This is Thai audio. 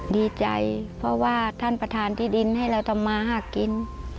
ดีใจเพราะว่าท่านประธานที่ดินให้เราทำมาหากิน